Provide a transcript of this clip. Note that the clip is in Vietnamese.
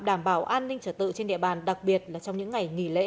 đảm bảo an ninh trở tự trên địa bàn đặc biệt là trong những ngày nghỉ lễ